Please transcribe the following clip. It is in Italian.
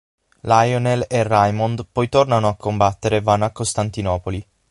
Lionel e Raymond poi tornano a combattere e vanno a Costantinopoli.